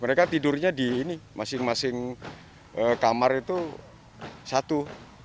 mereka tidurnya di ini masing masing kamar itu satu